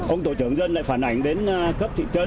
ông tổ trưởng dân lại phản ảnh đến cấp thị trấn